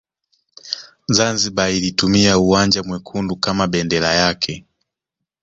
Zanzibar ilitumia uwanja mwekundu kama bendera yake